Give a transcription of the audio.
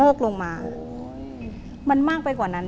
แล้วสะโมกลงมันมากไปกว่านั้น